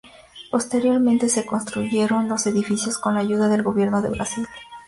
Posteriormente se reconstruyeron los edificios con la ayuda del gobierno de Brasil.